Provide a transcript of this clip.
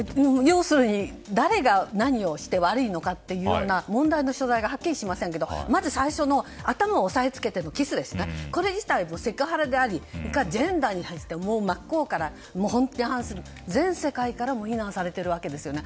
要するに誰が何をして悪いのかというような問題の所在がはっきりしませんけどまず最初の頭を押さえつけてのキスはセクハラであり全世界からも非難されているわけですよね。